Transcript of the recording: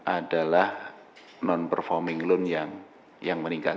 adalah non performing loan yang meningkat